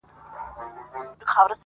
مور د درملو هڅه کوي خو ګټه نه کوي هېڅ,